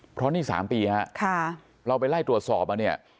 เพราะนี่๓ปีฮะเราไปไล่ตรวจสอบมาเนี่ย